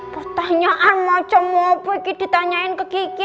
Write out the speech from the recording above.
pertanyaan macam apa gitu ditanyain ke kiki